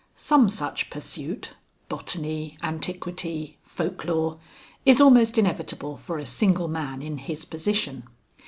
Some such pursuit, botany, antiquity, folk lore, is almost inevitable for a single man in his position.